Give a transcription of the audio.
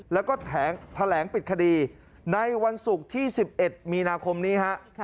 แล้วก็แถลงปิดคดีในวันศุกร์ที่๑๑มีนาคมนี้ฮะ